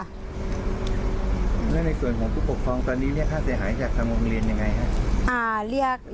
แล้วในส่วนของผู้ปกครองตอนนี้ค่าเสียหายจากสามองค์เรียนยังไงคะ